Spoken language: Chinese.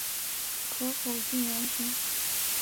壳口近圆形。